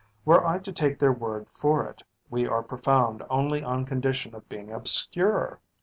Were I to take their word for it, we are profound only on condition of being obscure.